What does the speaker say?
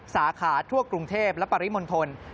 สาขาทั่วกรุงเทพและปริมณฑล